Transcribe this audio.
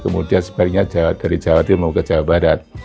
kemudian sebaliknya dari jawa timur mau ke jawa barat